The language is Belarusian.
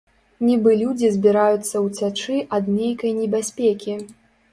Нібы людзі збіраюцца ўцячы ад нейкай небяспекі.